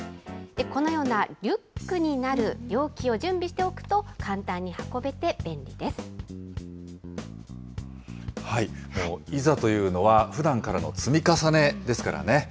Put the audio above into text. このようなリュックになる容器を準備しておくと簡単に運べて便利いざというのは、ふだんからの積み重ねですからね。